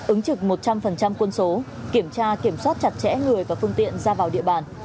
một mươi chín ứng trực một trăm linh quân số kiểm tra kiểm soát chặt chẽ người và phương tiện ra vào địa bàn